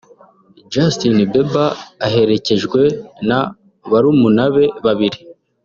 Justin Bieber aherekejwe na barumuna be babiri